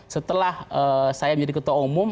setelah saya menjadi ketua umum